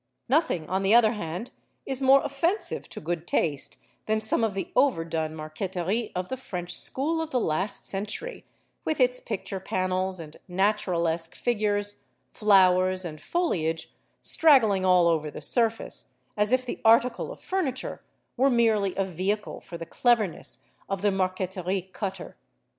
Nothing, on the other hand, is more offensive to good taste than some of the overdone marqueterie of the French school of the last century, with its picture panels, and naturalesque figures, flowers, and foliage, straggling all over the surface, as if the article of furniture were merely a vehicle for the cleverness of the marqueterie cutter.